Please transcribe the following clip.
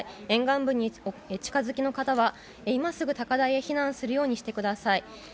沿岸部にお近づきの方は今すぐ高台へ避難するようにしてください。